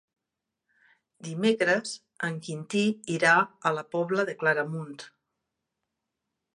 Dimecres en Quintí irà a la Pobla de Claramunt.